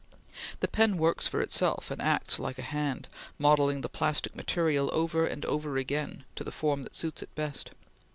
The pen works for itself, and acts like a hand, modelling the plastic material over and over again to the form that suits it best.